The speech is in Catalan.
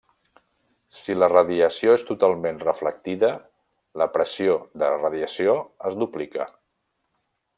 Si la radiació és totalment reflectida, la pressió de radiació es duplica.